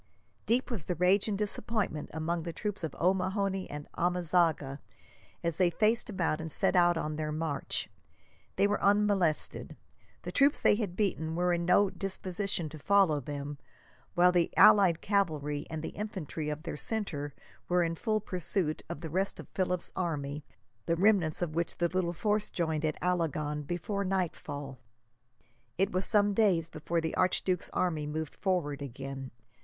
Deep was the rage and disappointment among the troops of O'Mahony and Amezaga, as they faced about and set out on their march. They were unmolested. The troops they had beaten were in no disposition to follow them, while the allied cavalry and the infantry of their centre were in full pursuit of the rest of Philip's army, the remnants of which the little force joined, at Alagon, before nightfall. It was some days before the archduke's army moved forward again.